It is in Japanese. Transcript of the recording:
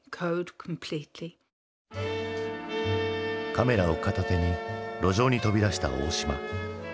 カメラを片手に路上に飛び出した大島。